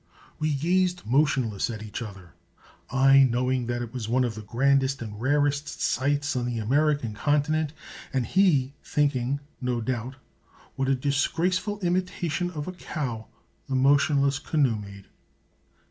We gazed motionless at each other, I knowing that it was one of the grandest and rarest sights on the American continent, and he thinking, no doubt, what a disgraceful imitation of a cow the motionless canoe made.